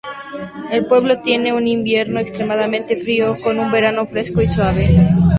El pueblo tiene un invierno extremadamente frío con un verano fresco y suave.